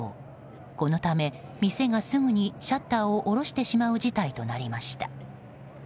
このため、店がすぐにシャッターを下ろしてしまう事態となりました。